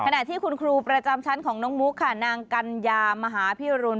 ขณะที่คุณครูประจำชั้นของน้องมุกค่ะนางกัญญามหาพิรุณ